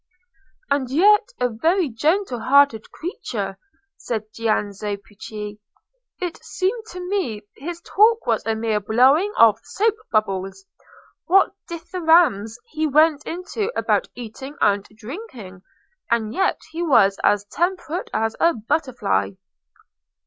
"And yet a very gentle hearted creature," said Giannozzo Pucci. "It seemed to me his talk was a mere blowing of soap bubbles. What dithyrambs he went into about eating and drinking! and yet he was as temperate as a butterfly."